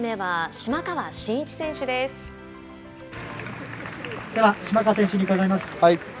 島川選手に伺います。